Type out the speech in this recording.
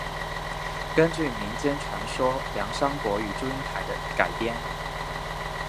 根据民间传说梁山伯与祝英台的改编。